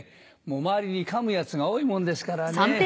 周りに噛むヤツが多いもんですからね。